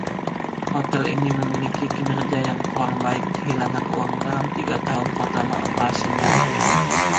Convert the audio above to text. Hotel ini memiliki kinerja yang kurang baik, kehilangan uang dalam tiga tahun pertama operasinya.